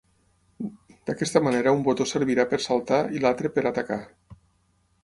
D’aquesta manera un botó servirà per saltar i l’altre per atacar.